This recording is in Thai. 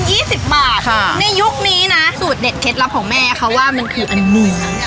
แม่ยังขายส้มตำ๒๐บาทในยุคนี้นะสูตรเด็ดเคล็ดลับของแม่ค่ะว่ามันคืออันนี้